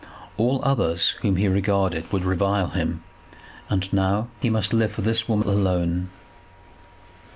All others whom he regarded would revile him, and now he must live for this woman alone.